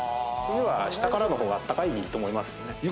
冬は下からの方があったかいと思いますね。